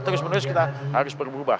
terus menerus kita harus berubah